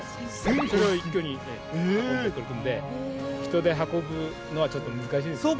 それを一挙に運んでくるので人で運ぶのはちょっと難しいですね。